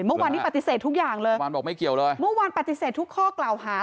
เมื่อวานนี้ปฏิเสธทุกอย่างเลยเมื่อวานบอกไม่เกี่ยวเลยเมื่อวานปฏิเสธทุกข้อกล่าวหา